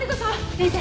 先生。